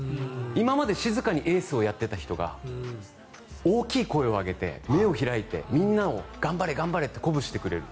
今まで静かにエースをやっていた人が大きい声を上げて、目を開いてみんなを頑張れ、頑張れって鼓舞してくれる。